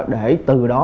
để từ đó